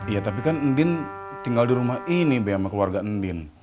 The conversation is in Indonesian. iya tapi kan ndin tinggal di rumah ini be sama keluarga ndin